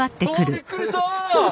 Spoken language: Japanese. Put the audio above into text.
びっくりした！